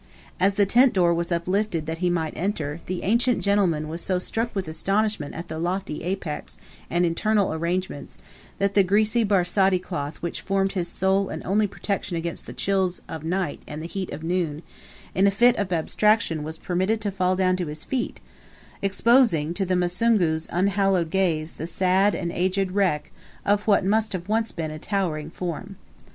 As the tent door was uplifted that he might enter, the ancient gentleman was so struck with astonishment at the lofty apex, and internal arrangements, that the greasy Barsati cloth which formed his sole and only protection against the chills of night and the heat of noon, in a fit of abstraction was permitted to fall down to his feet, exposing to the Musungu's unhallowed gaze the sad and aged wreck of what must once have been a towering form.